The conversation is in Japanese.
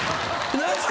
何すか？